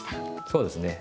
そうですね。